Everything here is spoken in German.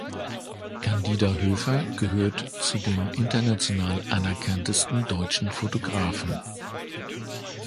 Candida Höfer gehört zu den international anerkanntesten deutschen Fotografen.